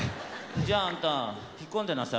じゃああんた引っ込んでなさい。